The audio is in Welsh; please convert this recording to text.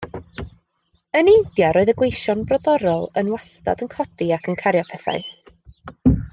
Yn India roedd y gweision brodorol yn wastad yn codi ac yn cario pethau.